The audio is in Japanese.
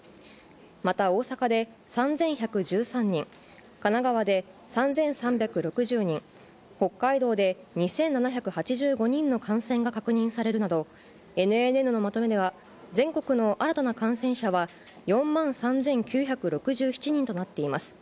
また大阪で３１１３人、神奈川で３３６０人、北海道で２７８５人の感染が確認されるなど、ＮＮＮのまとめでは、全国の新たな感染者は４万３９６７人となっています。